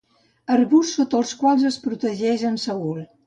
Arbusts sota els quals es protegeix en Saül.